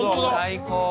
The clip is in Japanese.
最高！